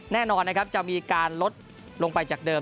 แน่นอนจะมีการลดลงไปจากเดิม